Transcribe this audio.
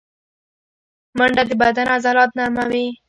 منډه د بدن عضلات نرموي